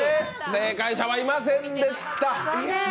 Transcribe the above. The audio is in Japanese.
正解者はいませんでした。